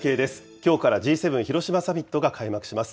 きょうからＧ７広島サミットが開幕します。